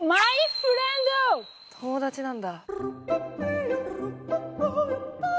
友達なんだ。